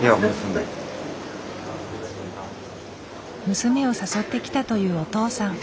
娘を誘ってきたというお父さん。